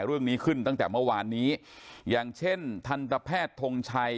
เรื่องนี้ขึ้นตั้งแต่เมื่อวานนี้อย่างเช่นทันตแพทย์ทงชัย